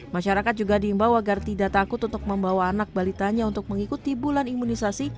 masyarakat juga diimbau agar tidak takut untuk membawa anak balitanya untuk mengikuti bulan imunisasi